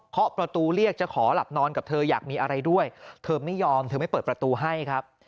ประตูเรียกจะขอหลับนอนกับเธออยากมีอะไรด้วยเธอไม่ยอมเธอไม่เปิดประตูให้ครับ